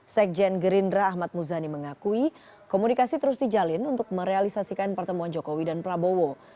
sekjen gerindra ahmad muzani mengakui komunikasi terus dijalin untuk merealisasikan pertemuan jokowi dan prabowo